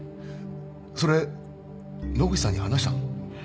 それ野口さんに話したの？